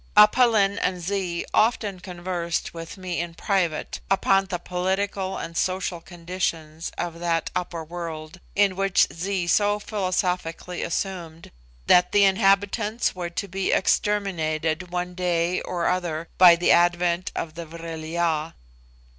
Aph Lin and Zee often conversed with me in private upon the political and social conditions of that upper world, in which Zee so philosophically assumed that the inhabitants were to be exterminated one day or other by the advent of the Vril ya.